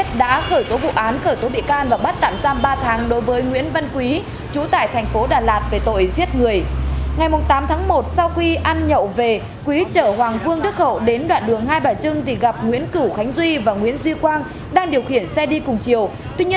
các bạn hãy đăng ký kênh để ủng hộ kênh của chúng mình nhé